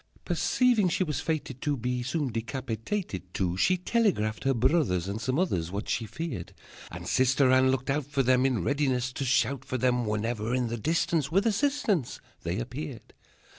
Perceiving she was fated to Be soon decapitated, too, She telegraphed her brothers And some others What she feared. And Sister Anne looked out for them, In readiness to shout for them Whenever in the distance With assistance They appeared.